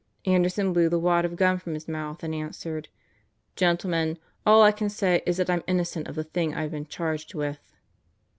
Anderson blew the wad of gum from his mouth and answered: "Gentlemen, all I can say is that Tm innocent of the thing I've been charged with."